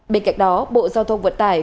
bên cạnh đó bộ giao thông vận tải